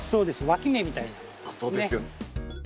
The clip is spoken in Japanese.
わき芽みたいなものですね。